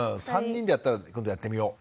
３人でやったら今度やってみよう。